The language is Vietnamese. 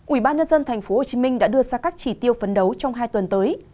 ủy ban nhân dân tp hcm đã đưa ra các chỉ tiêu phấn đấu trong hai tuần tới